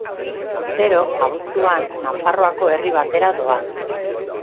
Urtero, abuztuan, Nafarroako herri batera doa.